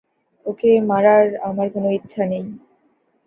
ওকে মারার আমার কোন ইচ্ছা নেই।